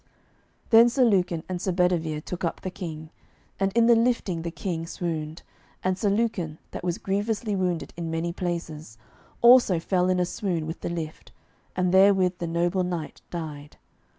Then Sir Lucan and Sir Bedivere took up the King, and in the lifting the King swooned, and Sir Lucan, that was grievously wounded in many places, also fell in a swoon with the lift, and therewith the noble knight died.